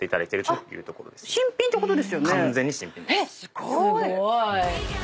すごーい！